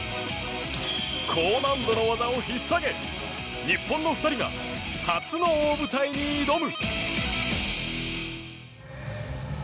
高難度の技を引っ提げ日本の２人が初の大舞台に挑む。